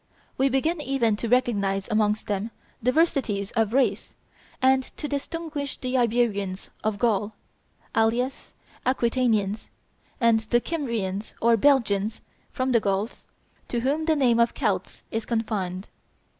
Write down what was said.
We begin even to recognize amongst them diversities of race, and to distinguish the Iberians of Gaul, alias Aquitanians, and the Kymrians or Belgians from the Gauls, to whom the name of Celts is confined.